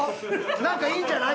なんかいいんじゃない？